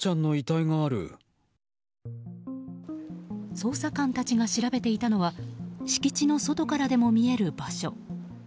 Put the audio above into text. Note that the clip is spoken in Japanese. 捜査官たちが調べていたのは敷地の外からでも見える場所。